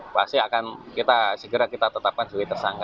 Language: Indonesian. pasti akan kita segera kita tetapkan sebagai tersangka